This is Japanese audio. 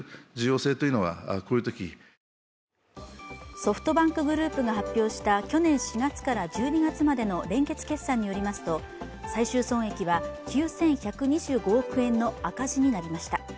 ソフトバンクグループが発表した去年４月から１２月までの連結決算によりますと最終損益は９１２５億円の赤字になりました。